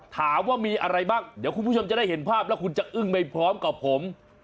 ถามว่ามีอะไรบ้างเดี๋ยวคุณผู้ชมจะได้เห็นภาพแล้วคุณจะอึ้งไปพร้อมกับผม